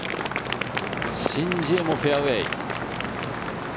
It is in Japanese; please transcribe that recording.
シン・ジエもフェアウエー。